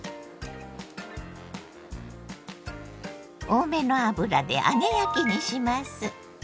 多めの油で揚げ焼きにします。